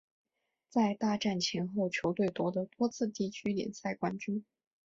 在大战前后球队夺得多次地区联赛冠军。